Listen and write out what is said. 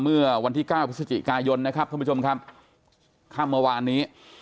เมื่อวันที่เก้าพฤศจิกายนนะครับท่านผู้ชมครับค่ำเมื่อวานนี้